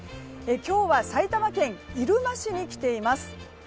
今日は埼玉県入間市に来ています。